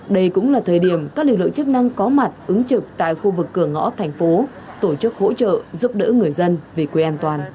đây cũng là thời điểm các lực lượng chức năng có mặt ứng trực tại khu vực cửa ngõ thành phố tổ chức hỗ trợ giúp đỡ người dân về quê an toàn